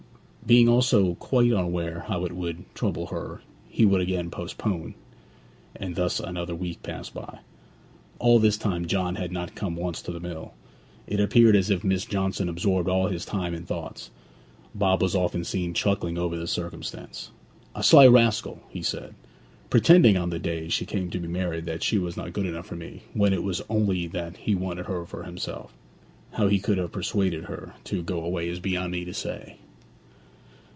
Being also quite aware how it would trouble her, he would again postpone, and thus another week passed away. All this time John had not come once to the mill. It appeared as if Miss Johnson absorbed all his time and thoughts. Bob was often seen chuckling over the circumstance. 'A sly rascal!' he said. 'Pretending on the day she came to be married that she was not good enough for me, when it was only that he wanted her for himself. How he could have persuaded her to go away is beyond me to say!'